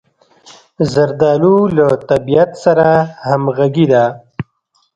زردالو له طبعیت سره همغږې ده.